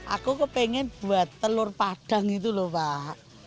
aku pengen buat telur padang itu lho pak